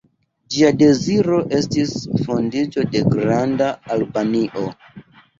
Ĝia deziro estis fondiĝo de Granda Albanio.